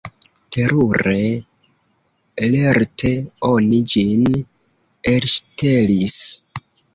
Terure lerte oni ĝin elŝtelis.